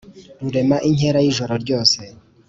rurema inkera y’ijoro ryose,